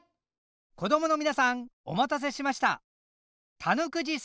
子どもの皆さんお待たせしました！